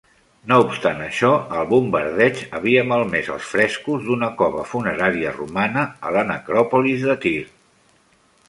No obstant això, el bombardeig havia malmès els frescos d'una cova funerària romana a la Necròpolis de Tir.